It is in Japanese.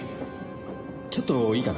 ちょっといいかな？